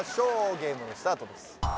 ゲームスタートです